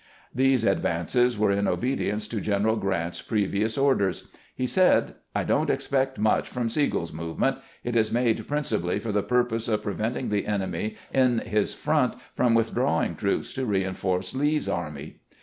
These advances were in obedi ence to General Grant's previous orders. He said :" I don't expect much from Sigel's movement; it is made principally for the purpose of preventing the enemy in his front from withdrawing troops to reinforce Lee's army.